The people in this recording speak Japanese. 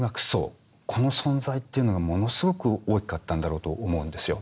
この存在というのがものすごく大きかったんだろうと思うんですよ。